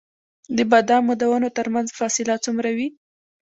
د بادامو د ونو ترمنځ فاصله څومره وي؟